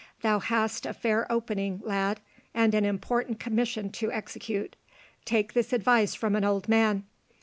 Thou hast a fair opening, lad, and an important commission to execute. Take this advice from an old man.